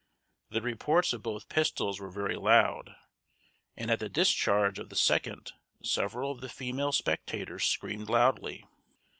The reports of both pistols were very loud, and at the discharge of the second several of the female spectators screamed loudly.